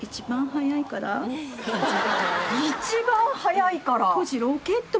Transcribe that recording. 一番速いから。